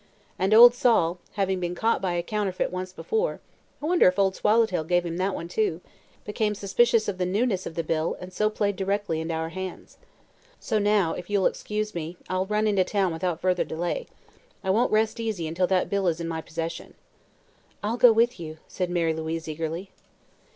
And old Sol, having been caught by a counterfeit once before I wonder if Old Swallowtail gave him that one, too? became suspicious of the newness of the bill and so played directly into our hands. So now, if you'll excuse me, I'll run to town without further delay. I won't rest easy until that bill is in my possession." "I'll go with you," said Mary Louise eagerly.